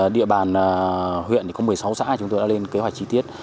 địa bàn huyện thì có một mươi sáu xã chúng tôi đã lên kế hoạch chi tiết